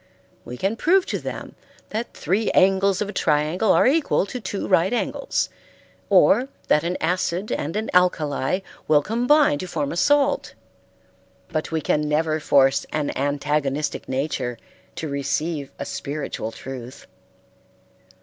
We can prove to them that three angles of a triangle are equal to two right angles, or that an acid and an alkali will combine to form a salt; but we can never force an antagonistic nature to receive a spiritual truth.